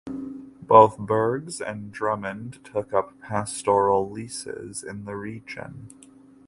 Both Burges and Drummond took up pastoral leases in the region.